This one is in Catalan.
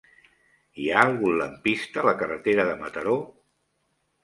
Hi ha algun lampista a la carretera de Mataró?